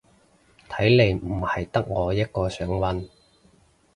睇嚟唔係得我一個想搵